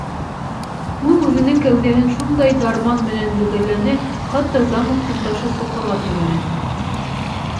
Ул үҙенең кәүҙәһен шундай дарман менән бөгәрләне, хатта замоктың ташы соҡорға тәгәрәне.